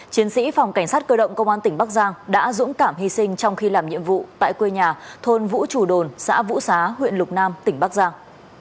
chiến sĩ phòng cảnh sát cơ động công an tỉnh bắc giang đã dũng cảm hy sinh trong khi làm nhiệm vụ tại quê nhà thôn vũ trụ đồn xã vũ xá huyện lục nam tỉnh bắc giang